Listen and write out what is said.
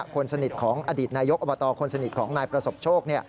คนสนิทของอดีตนายกอบตคนสนิทของนายประสบโชค